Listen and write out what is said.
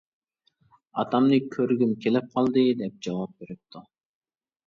ئاتامنى كۆرگۈم كېلىپ قالدى، -دەپ جاۋاب بېرىپتۇ.